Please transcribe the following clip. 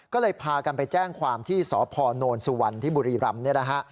ก็เลยพากันไปแจ้งความที่สพนสุวรรณที่บุรีรำ